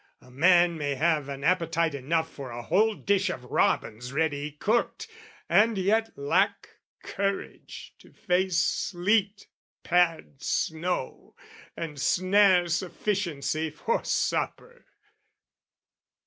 A man may have an appetite enough For a whole dish of robins ready cooked, And yet lack courage to face sleet, pad snow, And snare sufficiency for supper.